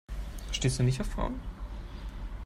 Stehst du nicht auf Frauen?